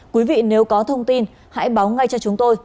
quý vị nếu có thông tin hãy báo ngay cho chúng tôi